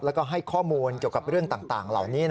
แล้วก็ให้ข้อมูลเกี่ยวกับเรื่องต่างเหล่านี้